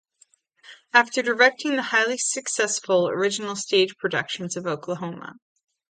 After directing the highly successful original stage productions of Oklahoma!